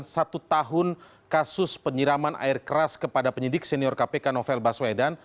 satu tahun kasus penyiraman air keras kepada penyidik senior kpk novel baswedan